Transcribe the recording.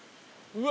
うわ！